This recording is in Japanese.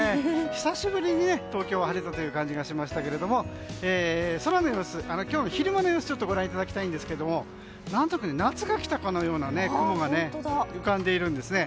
久しぶりに東京は晴れた感じがしましたが今日の昼間の空の様子ご覧いただきたいんですが夏が来たかのような雲が浮かんでいるんですね。